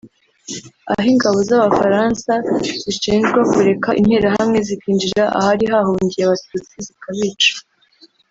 aho ingabo z’Abafaransa zishinjwa kureka Interahamwe zikinjira ahari hahungiye abatutsi zikabica